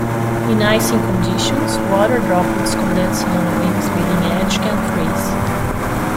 In icing conditions, water droplets condensing on a wing's leading edge can freeze.